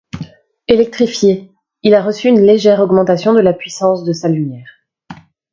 Électrifié, il a reçu une légère augmentation de la puissance de sa lumière.